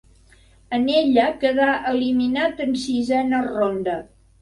En ella quedà eliminat en sisena ronda.